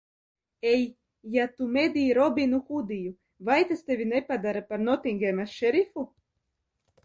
Ei, ja tu medī Robinu Hudiju, vai tas tevi nepadara par Notinghemas šerifu?